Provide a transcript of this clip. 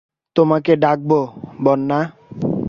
তোমাকে ডাকব– বন্যা।